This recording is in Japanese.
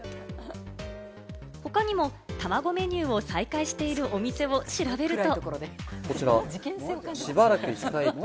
他にもたまごメニューを再開しているお店を調べると。